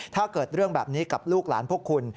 ถ้าเกิดเรื่องแบบนี้กับลูกหลานพวกคุณ